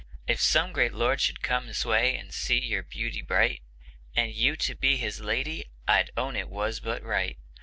If some great lord should come this way, and see your beauty bright, And you to be his lady, I'd own it was but right.